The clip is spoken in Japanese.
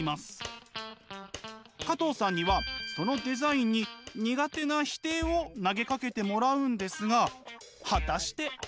加藤さんにはそのデザインに苦手な否定を投げかけてもらうんですが果たして。